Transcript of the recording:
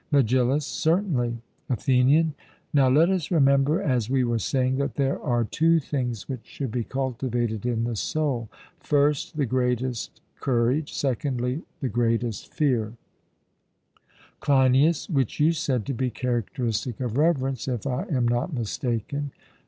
MEGILLUS: Certainly. ATHENIAN: Now, let us remember, as we were saying, that there are two things which should be cultivated in the soul: first, the greatest courage; secondly, the greatest fear CLEINIAS: Which you said to be characteristic of reverence, if I am not mistaken.